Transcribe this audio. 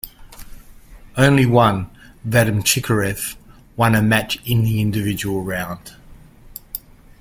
Only one, Vadim Chikarev, won a match in the individual round.